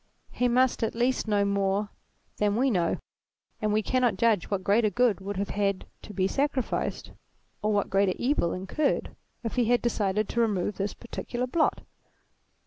He must at least know more than we know, and we cannot judge what greater good would have had to be sacrificed, or what greater evil incurred, if he had decided to remove this particular blot.